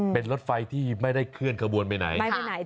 เป็นรถไฟที่ไม่ได้เคลื่อนขบวนไปไหน